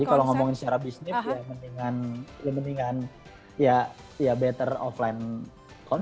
jadi kalau ngomongin secara bisnis ya mendingan ya better offline concert